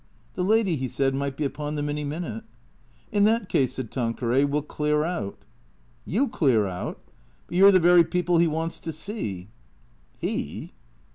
The lady, he said, might be upon them any minute. " In that case," said Tanqueray, " we '11 clear out." " You clear out? But you 're the very people he wants to see." "He?"